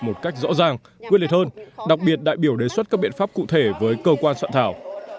một cách rõ ràng quyết liệt hơn đặc biệt đại biểu đề xuất các biện pháp cụ thể với cơ quan soạn thảo